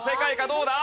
どうだ？